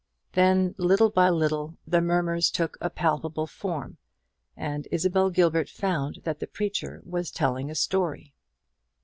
Then, little by little, the murmurs took a palpable form, and Isabel Gilbert found that the preacher was telling a story.